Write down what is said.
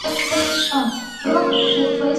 许茹芸的创作功力也是到这个时候备受肯定。